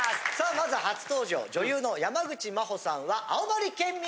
まず初登場女優の山口真帆さんは青森県民。